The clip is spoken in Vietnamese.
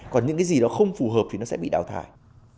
còn những cái gì đó không phù hợp thì nó sẽ bị đào thải